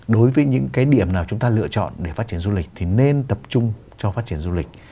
đối với những cái điểm nào chúng ta lựa chọn để phát triển du lịch thì nên tập trung cho phát triển du lịch